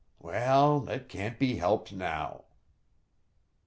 Well, it can't be helped now